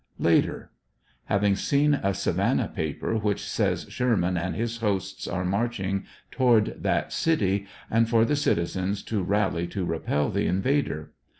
Later. — Have seen a Savannah paper which says Sherman and his hosts are marching toward that city, and for the citizens to rally to repel the invad'er.